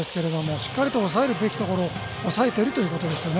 しっかりと抑えるべきところを抑えているということですね。